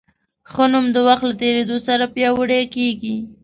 ښه نوم د وخت له تېرېدو سره پیاوړی کېږي.